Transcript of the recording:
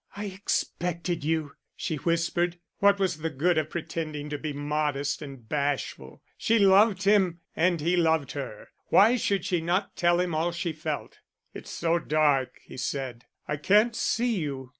"I expected you," she whispered. What was the good of pretending to be modest and bashful? She loved him and he loved her. Why should she not tell him all she felt? "It's so dark," he said, "I can't see you."